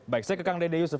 baik saya ke kang dede yusuf